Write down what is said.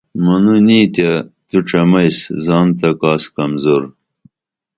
منو نی تیہ تو ڇمئیس زان تہ کاس کمزور